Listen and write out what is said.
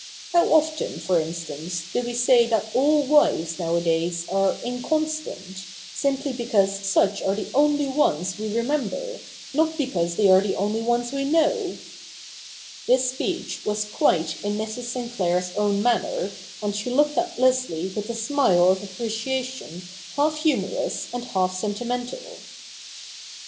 How often, for instance, do we say that all wives nowadays are inconstant, simply because such are the only ones we remember, not because they are the only ones we know.' 62 THE NEW REPUBLIC [bk. i This speech was quite in Mrs. Siiiiplair's own manner, and she looked at Leslie with a smile of appreciation half humorous and half sentimental.